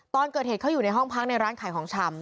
ตอนเกิดเหตุเขาอยู่ในห้องพักในร้านขายของชำ